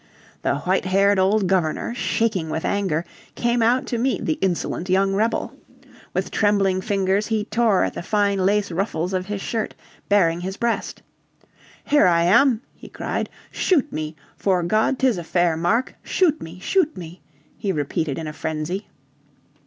The white haired old Governor, shaking with anger, came out to meet the insolent young rebel. With trembling fingers he tore at the fine lace ruffles of his shirt, baring his breast. "Here I am!" He cried. "Shoot me! 'Fore God 'tis a fair mark. Shoot me! Shoot me!" he repeated in a frenzy.